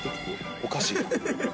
おかしいと？